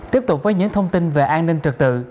tiếp tục với những thông tin về an ninh trật tự